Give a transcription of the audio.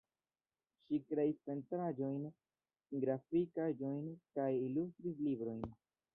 Ŝi kreis pentraĵojn, grafikaĵojn kaj ilustris librojn.